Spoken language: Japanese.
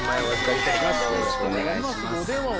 よろしくお願いします。